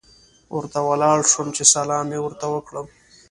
ورته ولاړ شوم چې سلام یې ورته وکړم.